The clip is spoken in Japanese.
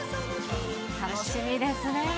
楽しみですね。